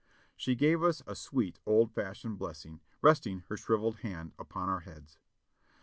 She gave us a sweet, old fashioned blessing, resting her shriveled hand upon our heads.